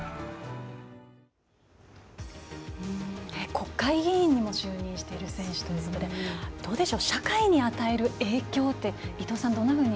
国会議員にも就任している選手ということで社会に与える影響って伊藤さん、どんなふうに。